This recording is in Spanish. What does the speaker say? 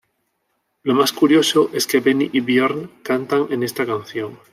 Lo más curioso es que Benny y Björn cantan en esta canción.